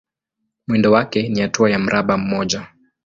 Mwendo wake ni hatua ya mraba mmoja.